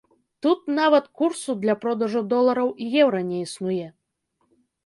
Тут нават курсу для продажу долараў і еўра не існуе.